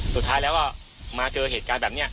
สุดท้ายแล้วก็มาเจอเหตุการณ์แบบนี้